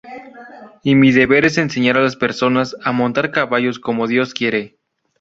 Y mi deber es enseñar a las personas a montar caballos como Dios quiere".